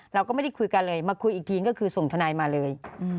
เราก็ไม่ได้คุยกันเลยมาคุยอีกทีก็คือส่งทนายมาเลย